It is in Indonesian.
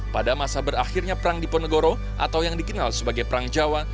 pada masa berakhirnya perang diponegoro atau yang dikenal sebagai perang jawa